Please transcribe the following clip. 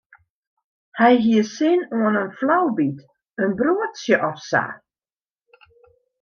Hy hie sin oan in flaubyt, in broadsje of sa.